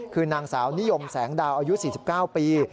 คือนางสาวนิยมแสงดาวอายุ๔๙ปี